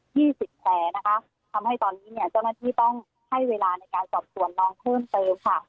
สิบแผลนะคะทำให้ตอนนี้เนี่ยเจ้าหน้าที่ต้องให้เวลาในการสอบสวนน้องเพิ่มเติมค่ะ